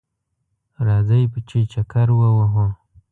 راځئ چه چکر ووهو